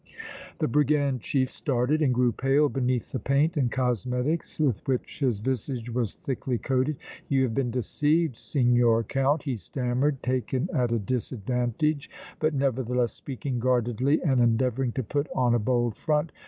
The brigand chief started and grew pale beneath the paint and cosmetics with which his visage was thickly coated. "You have been deceived, Signor Count!" he stammered, taken at a disadvantage, but nevertheless speaking guardedly and endeavoring to put on a bold front.